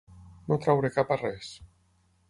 No treure cap a res.